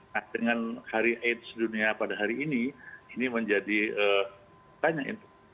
nah dengan hari aids dunia pada hari ini ini menjadi tanya